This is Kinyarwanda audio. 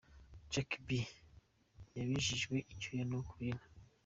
Jack B yabijijwe icyuya no kubyina.